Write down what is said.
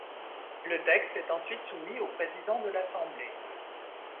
Le texte est ensuite soumis au président de l'Assemblée.